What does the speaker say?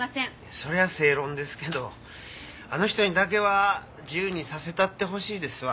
そりゃ正論ですけどあの人にだけは自由にさせたってほしいですわ。